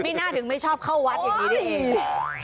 ไม่น่าถึงไม่ชอบเข้าวัดอย่างนี้นี่เอง